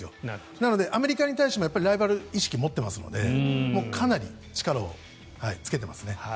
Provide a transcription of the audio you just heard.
だからアメリカに対してもライバル意識を持っていますのでかなり力をつけてますね。